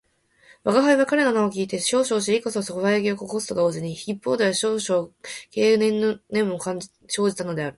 吾輩は彼の名を聞いて少々尻こそばゆき感じを起こすと同時に、一方では少々軽侮の念も生じたのである